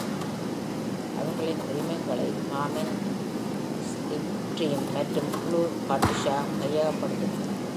அவர்களின் உரிமங்களை கார்மின்-ஸ்லிப்ஸ்ட்ரீம் மற்றும் குழு கட்டூஷா கையகப்படுத்தினர்.